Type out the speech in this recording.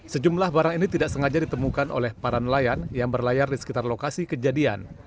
sejumlah barang ini tidak sengaja ditemukan oleh para nelayan yang berlayar di sekitar lokasi kejadian